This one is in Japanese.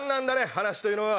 話というのは。